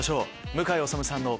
向井理さんの。